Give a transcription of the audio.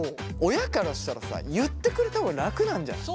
親からしたらさ言ってくれた方が楽なんじゃない？